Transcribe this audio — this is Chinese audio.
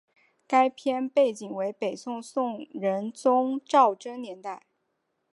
该片背景为北宋宋仁宗赵祯年间。